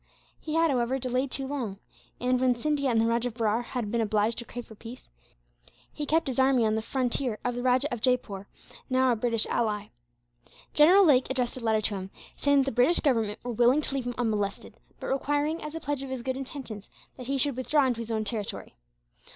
He had, however, delayed too long and, when Scindia and the Rajah of Berar had been obliged to crave for peace, he kept his army on the frontier of the Rajah of Jaipore, now a British ally. General Lake addressed a letter to him, saying that the British Government were willing to leave him unmolested; but requiring, as a pledge of his good intentions, that he should withdraw into his own territory.